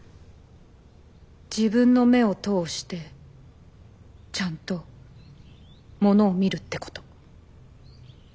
自分の目を通してちゃんとものを見るってこと。